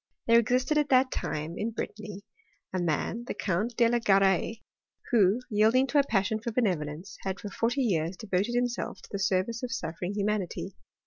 There existed at that time in Brittany a man, the Count de la Garaie, who, yielding to a passion for benevolence, had for forty years devoted himself to the service of suffering hu manity.